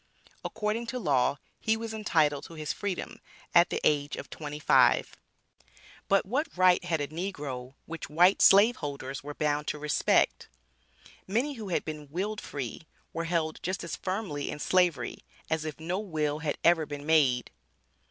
According to law he was entitled to his freedom at the age of twenty five. But what right had a negro, which white slave holders were "bound to respect?" Many who had been willed free, were held just as firmly in Slavery, as if no will had ever been made.